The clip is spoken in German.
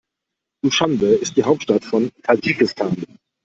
Duschanbe ist die Hauptstadt von Tadschikistan.